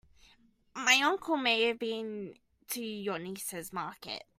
My uncle may have been to your niece's market.